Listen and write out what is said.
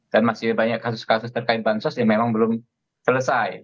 dan masih banyak kasus kasus terkait bansos yang memang belum selesai